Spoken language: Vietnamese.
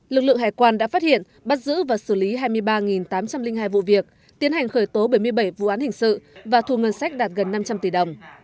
lực lượng hải quan đã phát hiện bắt giữ và xử lý hai mươi ba tám trăm linh hai vụ việc tiến hành khởi tố bảy mươi bảy vụ án hình sự và thu ngân sách đạt gần năm trăm linh tỷ đồng